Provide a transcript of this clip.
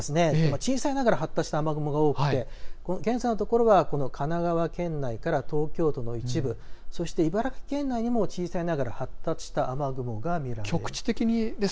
小さいながら発達した雨雲が多く現在のところは神奈川県内から東京都の一部、そして茨城県内にも小さいながら発達した雨雲が見られます。